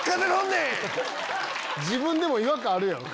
自分でも違和感あるやろ？